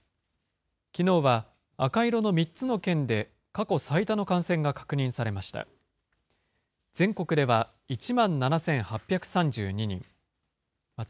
きのうは赤色の３つの県で、過去最多の感染が確認されました。